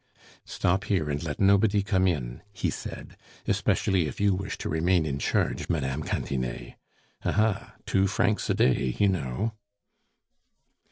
"Stop here, and let nobody come in," he said, "especially if you wish to remain in charge, Mme. Cantinet. Aha! two francs a day, you know!"